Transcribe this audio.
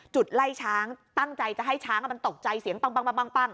ไล่ช้างตั้งใจจะให้ช้างมันตกใจเสียงปั้ง